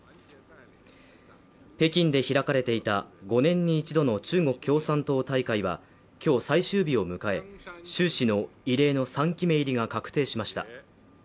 北京で開かれていた５年に一度の中国共産党大会は、今日最終日を迎え、習氏の異例の３期目入りが確定しました。